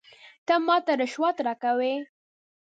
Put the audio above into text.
ته ماته رشوت راکوې ؟